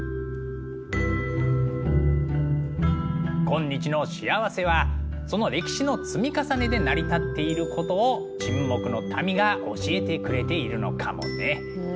今日の幸せはその歴史の積み重ねで成り立っていることを「沈黙の民」が教えてくれているのかもね。